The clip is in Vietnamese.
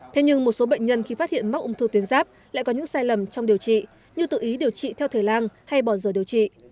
thế nhưng một số bệnh nhân khi phát hiện mắc ung thư tuyến giáp lại có những sai lầm trong điều trị như tự ý điều trị theo thời lang hay bỏ rời điều trị